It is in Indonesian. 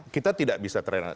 kita tidak bisa terenak